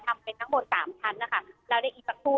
ทำเป็นทั้งหมดสามชั้นนะคะแล้วได้อีกสักครู่